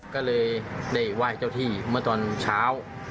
ก็เลยได้ไหว้เจ้าที่เมื่อตอนเช้า